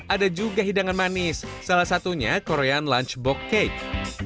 ada juga hidangan manis salah satunya korean lunchbox cake